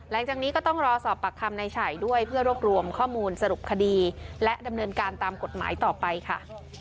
หลังจากนี้ก็ต้องรอสอบปากคำในฉ่ายด้วยเพื่อรวบรวมข้อมูลสรุปคดีและดำเนินการตามกฎหมายต่อไปค่ะ